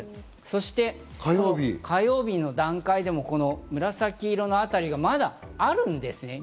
そして火曜日の段階でも、紫色のあたりがまだあるんですね。